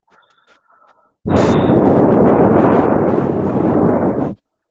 Elle donne accès à un vestibule qui s'ouvre sur la cour intérieure.